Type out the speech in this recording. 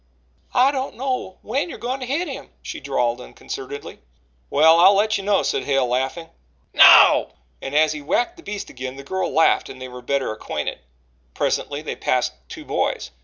"I don't know when you're goin' to hit him," she drawled unconcernedly. "Well, I'll let you know," said Hale laughing. "Now!" And, as he whacked the beast again, the girl laughed and they were better acquainted. Presently they passed two boys.